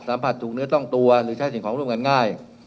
สัมผัสถูกเนื้อต้องตัวหรือใช้สิ่งของร่วมกันง่าย